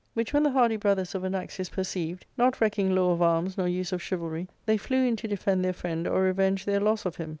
Which when the hardy brothers of Anaxius perceived, not recking law of arms nor use of chivalry, they flew in to defend their friend or revenge their loss of him.